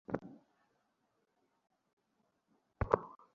তবে কেন্দ্রের নির্দেশে সম্মেলন সফল করতে তাঁরা একসঙ্গে কাজ করার চেষ্টা করেন।